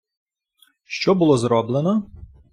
Що було зроблено?